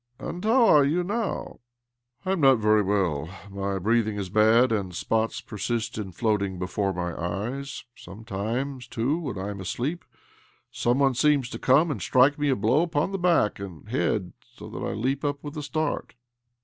" And how are you now? "" I am not very well. My breathing is bad, and spots persist in floating before niy eyes. Sometimes, too, when I am asleep, some one seems to come and strike me a blow upon the back and head, so that I leap up with a start."